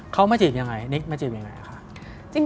เขามาจีบยังไงนิกมาจีบยังไงคะ